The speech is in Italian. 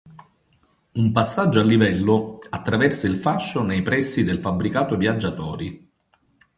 Un passaggio a livello attraversa il fascio nei pressi del fabbricato viaggiatori.